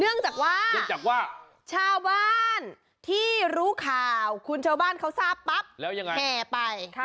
เนื่องจากว่าชาวบ้านที่รู้ข่าวคุณชาวบ้านเขาทราบปั๊บแพร่ไป